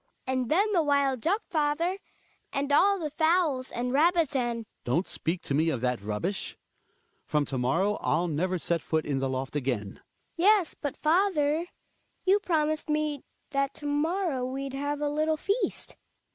Hedvig. And then the wild duck, father, and all the fowls and rabbits and Hjalmar. Don't speak to me of that rubbish ? From to morrow, I'll never set foot in the loft again. Hed^hg. Yes, but father, you promised me that to morrow we'd have a little feast.